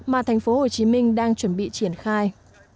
mà thành phố hồ chí minh đang chuẩn bị triển khai